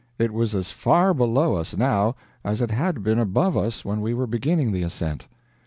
It was as far below us, now, as it had been above us when we were beginning the ascent.